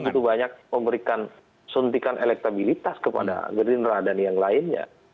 karena itu banyak memberikan suntikan elektabilitas kepada gerindra dan yang lainnya